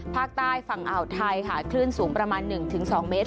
ภาคใต้ฝั่งอ่าวไทยค่ะคลื่นสูงประมาณ๑๒เมตร